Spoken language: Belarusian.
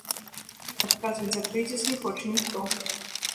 А адказваць за крызіс не хоча ніхто.